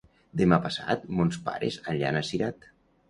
Demà passat mons pares aniran a Cirat.